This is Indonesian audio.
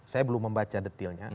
saya belum membaca detailnya